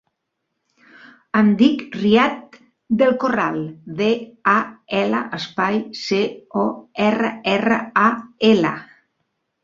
Em dic Riad Del Corral: de, e, ela, espai, ce, o, erra, erra, a, ela.